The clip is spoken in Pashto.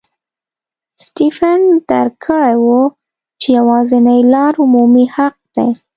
سټېفن درک کړې وه چې یوازینۍ لار عمومي حق دی.